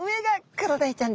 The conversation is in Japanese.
クロダイちゃん。